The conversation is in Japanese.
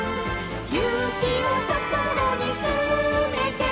「ゆうきをこころにつめて」